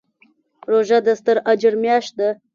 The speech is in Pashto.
روژه د ستر اجر میاشت ده.